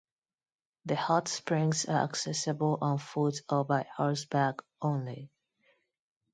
The hot springs are accessible on foot or by horseback only.